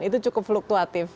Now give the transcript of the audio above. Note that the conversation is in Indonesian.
itu cukup fluktuatif